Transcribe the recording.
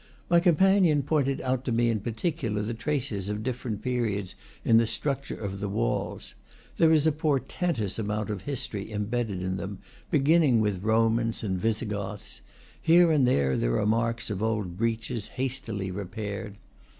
My companion pointed out to me in particular the traces of different periods in the structure of the walls. There is a por tentous amount of history embedded in them, begin ning with Romans and Visigoths; here and there are marks of old breaches, hastily repaired.